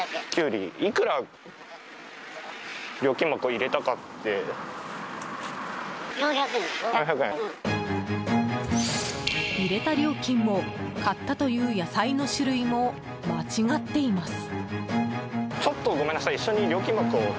入れた料金も、買ったという野菜の種類も間違っています。